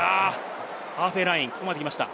ハーフウェイラインまで来ました。